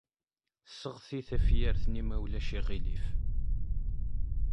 Seɣti tafyirt-nni ma ulac aɣilif.